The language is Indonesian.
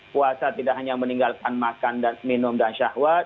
puasa tidak hanya meninggalkan makan dan minum dan syahwat